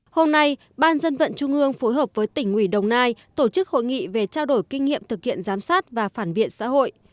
hôm nay ban dân vận trung ương phối hợp với tỉnh ủy đồng nai tổ chức hội nghị về trao đổi kinh nghiệm thực hiện giám sát và phản biện xã hội